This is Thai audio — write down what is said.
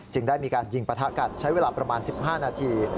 ได้มีการยิงปะทะกันใช้เวลาประมาณ๑๕นาที